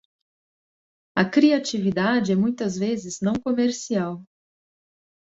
A criatividade é muitas vezes não comercial.